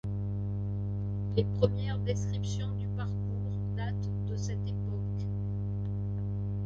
Les premières descriptions du parcours datent de cette époque.